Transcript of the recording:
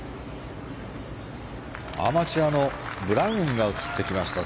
アマチュアのブラウンが映ってきました。